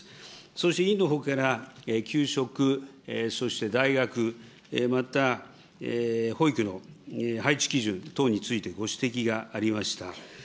そして委員のほうから、給食、そして大学、また保育の配置基準等についてご指摘がありました。